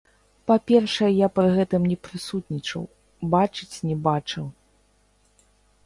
Па-першае, я пры гэтым не прысутнічаў, бачыць не бачыў.